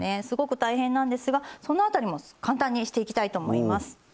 すごく大変なんですがその辺りも簡単にしていきたいと思います。